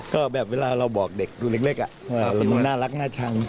ก็แบบเวลาเราบอกเด็กตัวเล็กมันน่ารักน่าชัง